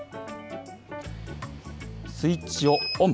スイッチをオン。